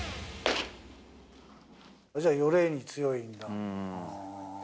じゃあ、よれに強いんだ。